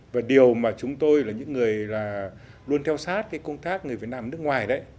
và điều mà chúng tôi là những người luôn theo sát cái công tác người việt nam ở nước ngoài đấy